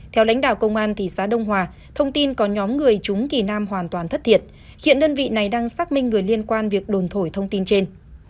theo lãnh đạo công an thị xã đông hòa thông tin có nhóm người chúng thì nam hoàn toàn thất thiệt hiện đơn vị này đang xác minh người liên quan việc đồn thổi thông tin trên